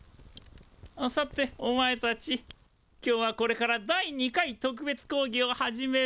さておまえたち。今日はこれから第２回特別講義を始める。